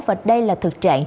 và đây là thực trạng